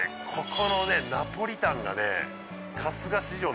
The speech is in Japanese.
ここのねナポリタンがね春日史上